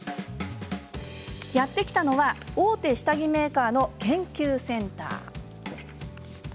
やって来たのは大手下着メーカーの研究センター。